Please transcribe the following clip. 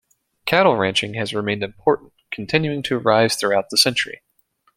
Cattle ranching has remained important, continuing to rise throughout the century.